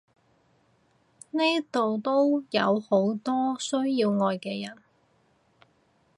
呢度都有好多需要愛嘅人！